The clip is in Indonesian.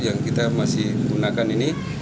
yang kita masih gunakan ini